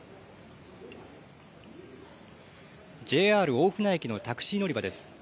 ＪＲ大船駅のタクシー乗り場です。